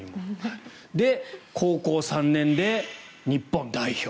で、高校３年で日本代表。